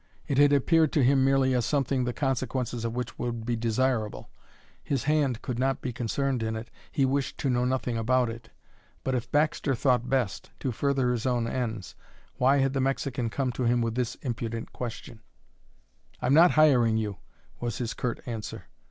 It had appeared to him merely as something the consequences of which would be desirable. His hand could not be concerned in it, he wished to know nothing about it but if Baxter thought best to further his own ends why had the Mexican come to him with this impudent question? "I'm not hiring you," was his curt answer.